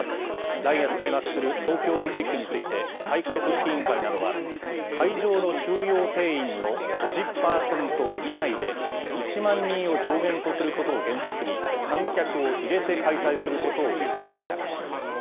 来月開幕する東京オリンピックについて、大会組織委員会などは、会場の収容定員の５０％以内で、１万人を上限とすることを原則に観客を入れて開催することを決めました。